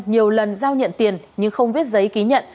nhiều lần giao nhận tiền nhưng không viết giấy ký nhận